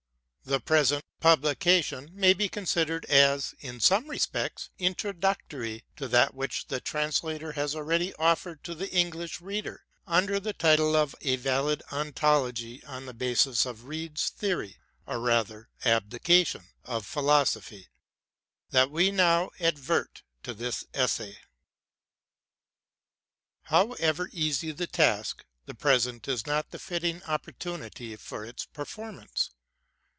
The present publication may be considered as, in some respects, introductory to that which the Translator has already offered to the English reader, under the title of 1 valid ontology 00 the basis; of Reid'fi theory — or rather ab dication — of philosophy, that we now advert to this essay. However easy the task, the present is not the fitting op portunity for its performance.